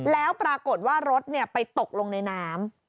แล้วปรากฏว่ารถไปตกลงในน้ำ